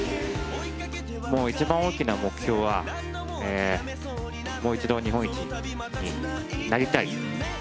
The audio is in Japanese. もう一番大きな目標は、もう一度、日本一になりたい。